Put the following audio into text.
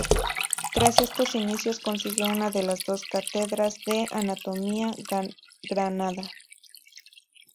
Tras estos inicios, consigue una de las dos cátedras de Anatomía Granada.